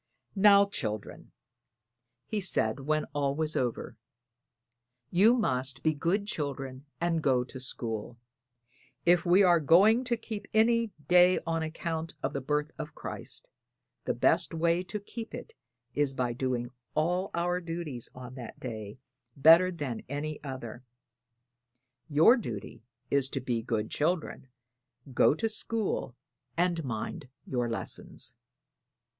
"Now, children," he said when all was over, "you must be good children and go to school. If we are going to keep any day on account of the birth of Christ, the best way to keep it is by doing all our duties on that day better than any other. Your duty is to be good children, go to school and mind your lessons."